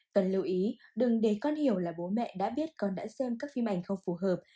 cần lưu ý đừng để con hiểu là bố mẹ đã biết con đã xem các phim ảnh không phù hợp